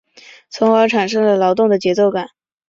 从而产生了劳动的节奏感。